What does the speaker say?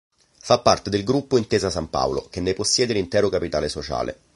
Fa parte del Gruppo Intesa Sanpaolo, che ne possiede l'intero capitale sociale.